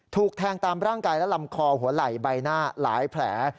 ถูกแทงตามร่างกายและลำคอหัวไหล่ใบหน้าหลายแผล